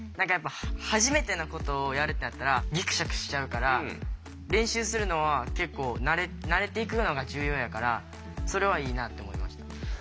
初めてのことをやるってなったらギクシャクしちゃうから練習するのは結構慣れていくのが重要やからそれはいいなって思いました。